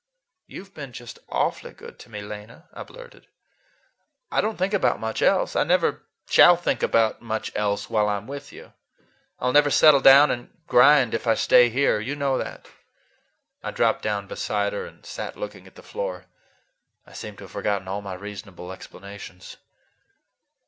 "You've been just awfully good to me, Lena," I blurted. "I don't think about much else. I never shall think about much else while I'm with you. I'll never settle down and grind if I stay here. You know that." I dropped down beside her and sat looking at the floor. I seemed to have forgotten all my reasonable explanations.